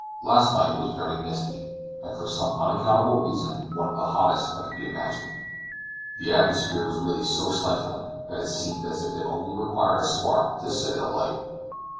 Last night was very misty, and for some unaccountable reason, one of the hottest that can be imagined. The atmosphere was really so stifling, that it seemed as if it only required a spark to set it alight.